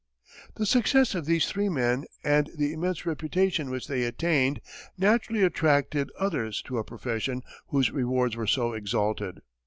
The success of these three men and the immense reputation which they attained naturally attracted others to a profession whose rewards were so exalted.